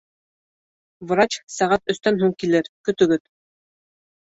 Врач сәғәт өстән һуң килер. Көтөгөҙ!